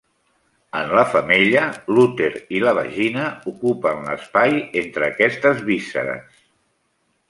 En la femella, l'úter i la vagina ocupen l'espai entre aquestes vísceres.